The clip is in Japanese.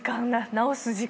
直す時間。